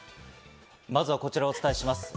まずはこちらをお伝えします。